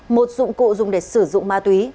một dụng cụ dùng để sử dụng ma túy